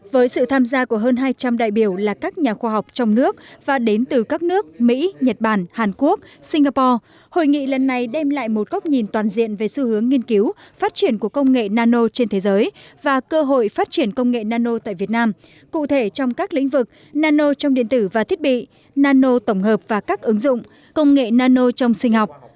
với sự tham gia của hơn hai trăm linh đại biểu là các nhà khoa học trong nước và đến từ các nước mỹ nhật bản hàn quốc singapore hội nghị lần này đem lại một góc nhìn toàn diện về xu hướng nghiên cứu phát triển của công nghệ nano trên thế giới và cơ hội phát triển công nghệ nano tại việt nam cụ thể trong các lĩnh vực nano trong điện tử và thiết bị nano tổng hợp và các ứng dụng công nghệ nano trong sinh học